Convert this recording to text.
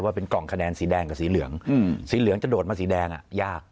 เป็นกล่องคะแนนสีแดงกับสีเหลืองสีเหลืองจะโดดมาสีแดงยาก